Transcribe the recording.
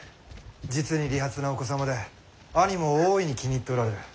実に利発なお子様で兄も大いに気に入っておられる。